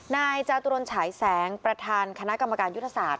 นายจาตุรนฉายแสงประธานคณะกรรมการยุทธศาสต